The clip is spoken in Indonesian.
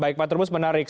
baik pak terubus menarik